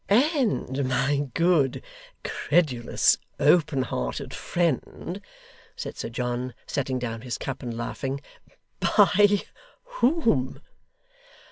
'And my good, credulous, open hearted friend,' said Sir John, setting down his cup, and laughing, 'by whom?